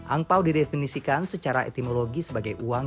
angpao direfinisikan secara etimologi sebagai uang